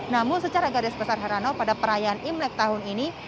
namun secara garis besar herano pada perayaan imlek tahun ini